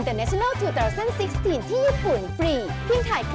เพราะมันไม่มีนิปสติก